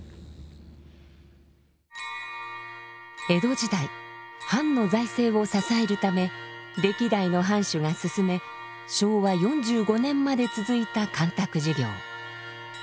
江戸時代藩の財政を支えるため歴代の藩主が進め昭和４５年まで続いた干拓事業。